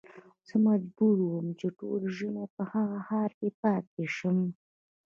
زه مجبور وم چې ټول ژمی په هغه ښار کې پاته شم.